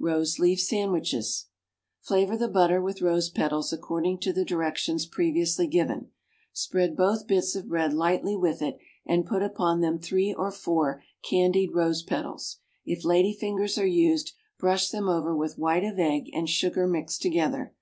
=Rose Leaf Sandwiches.= Flavor the butter with rose petals according to the directions previously given. Spread both bits of bread lightly with it and put upon them three or four candied rose petals. If lady fingers are used, brush them over with white of egg and sugar mixed together.